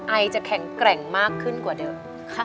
ไอจะแข็งแกร่งมากขึ้นกว่าเดิม